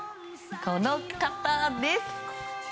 この方です。